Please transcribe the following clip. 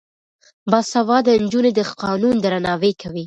باسواده نجونې د قانون درناوی کوي.